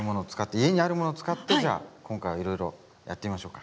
家にあるものを使ってじゃあ今回はいろいろやってみましょうか。